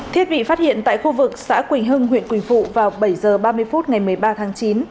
thiết bị phát hiện tại khu vực xã quỳnh hưng huyện quỳnh phụ vào bảy h ba mươi phút ngày một mươi ba tháng chín